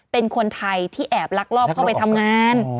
เป็นคนไทยที่แอบลักลอบเข้าไปทำงาน